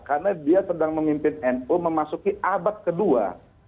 karena dia sedang memimpin nu memasuki abad kedua